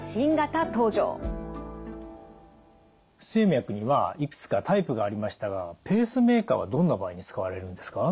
不整脈にはいくつかタイプがありましたがペースメーカーはどんな場合に使われるんですか？